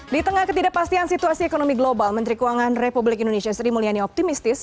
di tengah ketidakpastian situasi ekonomi global menteri keuangan republik indonesia sri mulyani optimistis